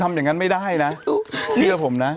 ทำอย่างนั้นไม่ได้นะเชื่อผมนะ